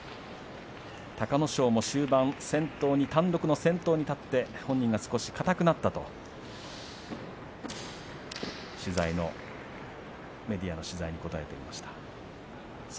隆の勝も終盤単独の先頭に立って本人が少し硬くなったとメディアの取材に答えていました。